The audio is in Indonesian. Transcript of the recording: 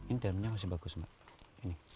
ini dalamnya masih bagus mbak